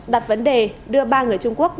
đặt vấn đề đưa ba người trung quốc